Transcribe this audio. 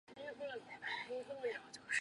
雅尔德尔人口变化图示